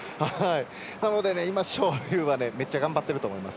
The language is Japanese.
なので、今、章勇はめっちゃ頑張っていると思います。